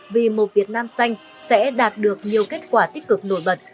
vì một việt nam xanh sẽ đạt được nhiều kết quả tích cực nổi bật